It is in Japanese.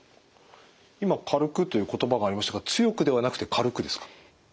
今「軽く」という言葉がありましたが「強く」ではなくて「軽く」ですか？